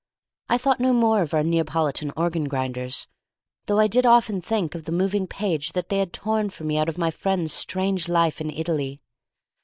I thought no more of our Neapolitan organ grinders, though I did often think of the moving page that they had torn for me out of my friend's strange life in Italy.